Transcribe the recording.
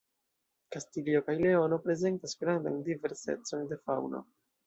Kastilio kaj Leono prezentas grandan diversecon de faŭno.